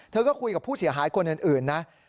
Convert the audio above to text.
เธอก็คุยกับผู้เสียหายคนอื่นนะ